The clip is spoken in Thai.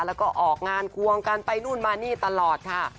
แล้วก็ออกงานควงกันไปนู่นมานี่ตลอดค่ะ